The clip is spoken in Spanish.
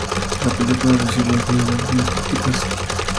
La película recibió en general buenas críticas.